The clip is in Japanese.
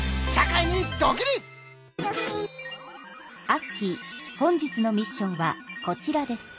アッキー本日のミッションはこちらです。